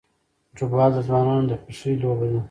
فوټبال د ځوانانو خوښی لوبه ده.